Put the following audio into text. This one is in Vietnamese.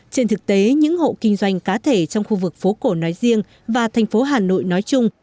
trên thực tế những hộ kinh doanh cá thể trong khu vực phố cổ nói riêng và thành phố hà nội nói chung